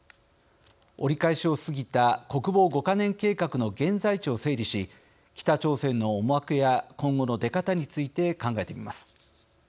折り返しを過ぎた国防５か年計画の現在地を整理し北朝鮮の思惑や今後の出方について考えてみます。